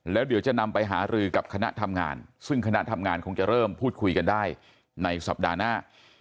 แล้วเดี๋ยวจะนำไปหารือกับคณะทำงานซึ่งคณะทำงานคงจะเริ่มพูดคุยกันได้ในสัปดาห์หน้า